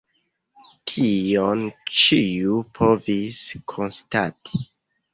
Tion ĉiu povis konstati.